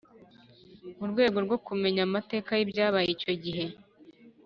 Mu rwego rwo kumenya amateka y’ibyabaye icyo gihe